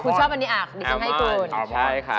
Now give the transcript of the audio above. คุณชอบอันนี้อ่ะดิฉันให้คุณแอลมอนด์